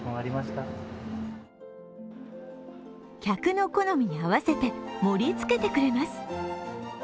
客の好みに合わせて盛りつけてくれます。